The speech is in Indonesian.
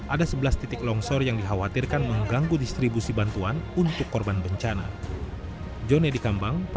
ada sebelas titik longsor yang dikhawatirkan mengganggu distribusi bantuan untuk korban bencana